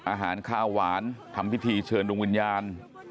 อาหารข้าวหวานทำพิธีเชิญดวงวิญญาณ